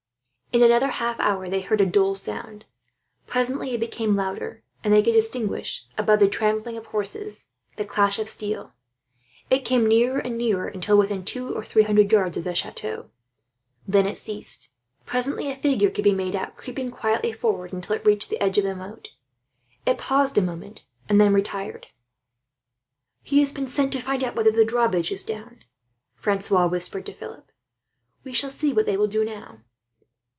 In another half hour they heard a dull sound. Presently it became louder, and they could distinguish, above the trampling of horses, the clash of steel. It came nearer and nearer, until within two or three hundred yards of the chateau, then it ceased. Presently a figure could be made out, creeping quietly forward until it reached the edge of the moat. It paused a moment, and then retired. "He has been sent to find out whether the drawbridge is down," Francois whispered to Philip. "We shall see what they will do now."